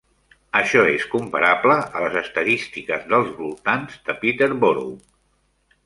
Això és comparable a les estadístiques dels voltants de Peterborough.